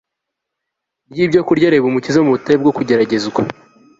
ryibyokurya arebe Umukiza mu butayu bwo kugeragezwa